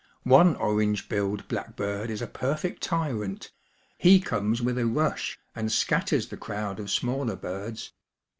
One orange billed blackbird is a perfect tyrant ; he comes with a rush and scatters the crowd of smaller birds.